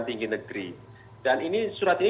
tinggi negeri dan ini surat ini